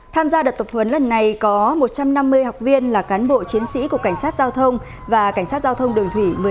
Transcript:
tham gia đợt tập huấn lần này có một trăm năm mươi học viên là cán bộ chiến sĩ của cảnh sát giao thông và cảnh sát giao thông đường thủy